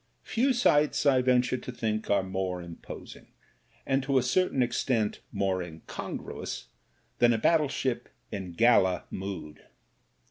Few sights, I venture to think, are more imposing, and to a certain extent more incongruous, than a battleship in gala mood.